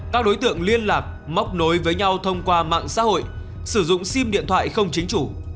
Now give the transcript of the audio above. các đối tượng liên lạc móc nối với nhau thông qua mạng xã hội sử dụng sim điện thoại không chính chủ